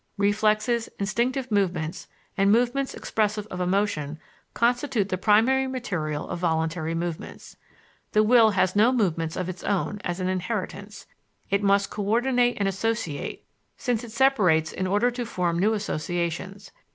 Reflexes, instinctive movements, and movements expressive of emotion constitute the primary material of voluntary movements. The will has no movements of its own as an inheritance: it must coördinate and associate, since it separates in order to form new associations.